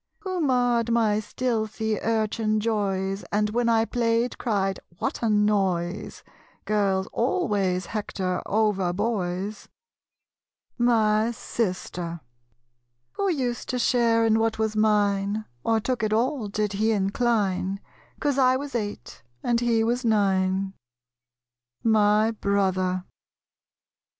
Who marred my stealthy urchin joys And when I played cried "What a noise?" Girls always hector over boys My Sister. Who used to share in what was mine, Or took it all, did he incline, 'Cause I was eight, and he was nine? My Brother.